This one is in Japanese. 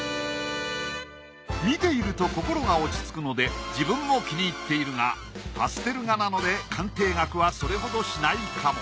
見ていると心が落ち着くので自分も気に入っているがパステル画なので鑑定額はそれほどしないかも。